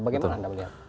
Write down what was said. bagaimana anda melihat